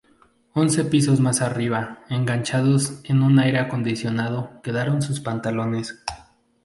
Once pisos más arriba, enganchados en un aire acondicionado, quedaron sus pantalones.